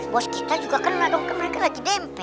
bos kita juga kan ladung ke mereka lagi dempet